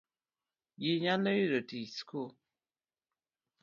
Ji nyalo yudo tich, sku